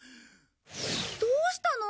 どうしたの？